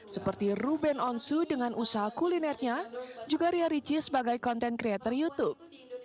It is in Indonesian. seperti ruben onsu dengan usaha kulinernya juga ria rici sebagai content creator youtube